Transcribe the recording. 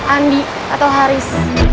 andi atau haris